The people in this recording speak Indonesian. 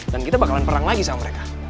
dan kita bakalan perang lagi sama mereka